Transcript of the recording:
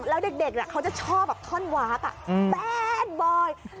แล้วเด็กเขาจะชอบแบบท่อนวาดแป้นบอย